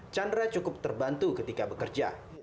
chandra cukup terbantu ketika bekerja